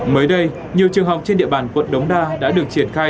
mới đây nhiều trường học trên địa bàn quận đống đa đã được triển khai